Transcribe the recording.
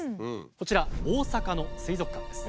こちら大阪の水族館です。